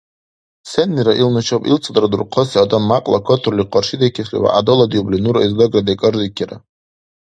Сеннира ил нушаб илцадра дурхъаси адам мякьла катурли къаршидикесли вягӀдаладиубли, нура Издагра декӀардикира.